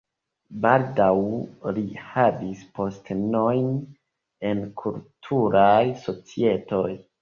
Baldaŭ li havis postenojn en kulturaj societoj.